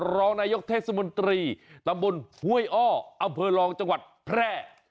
รองนายกเทศมนตรีตำบลห้วยอ้ออำเภอรองจังหวัดแพร่